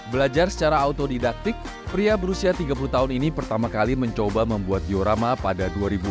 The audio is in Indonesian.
belajar secara autodidaktik pria berusia tiga puluh tahun ini pertama kali mencoba membuat diorama pada dua ribu empat